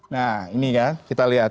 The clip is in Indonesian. nah ini kan kita lihat